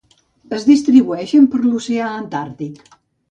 Es distribueixen per l'Oceà Antàrtic.